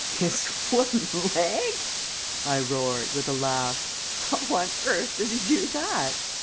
"His wooden leg?" I roared, with a laugh. "How on earth does he do that?"